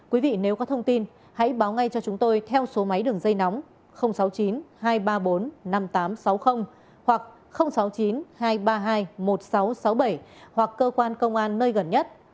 quý vị nếu có thông tin hãy báo ngay cho chúng tôi theo số máy đường dây nóng sáu mươi chín hai trăm ba mươi bốn năm nghìn tám trăm sáu mươi hoặc sáu mươi chín hai trăm ba mươi hai một nghìn sáu trăm sáu mươi bảy hoặc cơ quan công an nơi gần nhất